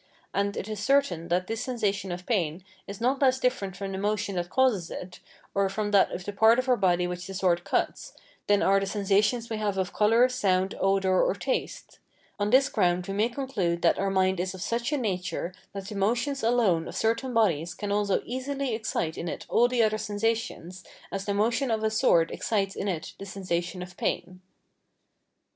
And it is certain that this sensation of pain is not less different from the motion that causes it, or from that of the part of our body which the sword cuts, than are the sensations we have of colour, sound, odour, or taste. On this ground we may conclude that our mind is of such a nature that the motions alone of certain bodies can also easily excite in it all the other sensations, as the motion of a sword excites in it the sensation of pain.